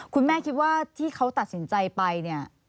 คุณแม่คิดว่าที่เขาตัดสินใจไปเนี่ย